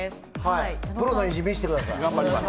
プロの意地見せてください。